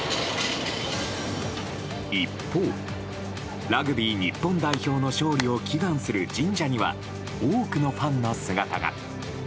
一方、ラグビー日本代表の勝利を祈願する神社には多くのファンの姿が。